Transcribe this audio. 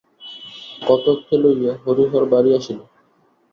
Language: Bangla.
কথককে লইয়া হরিহর বাড়ি আসিল।